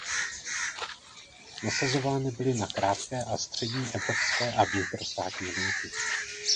Nasazovány byly na krátké a střední evropské a vnitrostátní linky.